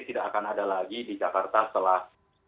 tidak akan ada lagi di jakarta setelah